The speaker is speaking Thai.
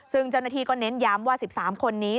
ซึ่งเจ้าหน้าที่ก็เน้นย้ำว่า๑๓คนนี้